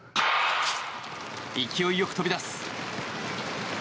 勢いよく飛び出す！